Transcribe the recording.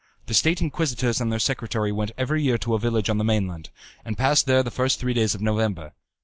The State Inquisitors and their secretary went every year to a village on the mainland, and passed there the first three days of November.